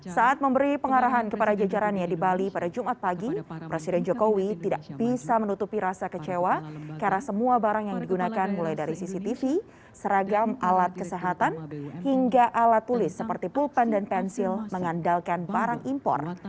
saat memberi pengarahan kepada jajarannya di bali pada jumat pagi presiden jokowi tidak bisa menutupi rasa kecewa karena semua barang yang digunakan mulai dari cctv seragam alat kesehatan hingga alat tulis seperti pulpen dan pensil mengandalkan barang impor